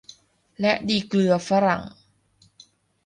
และดีเกลือฝรั่ง